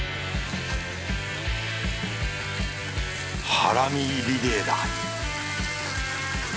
ハラミリレーだ